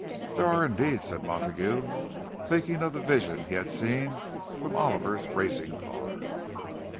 "There are, indeed," said Montague, thinking of the vision he had seen from Oliver's racing car.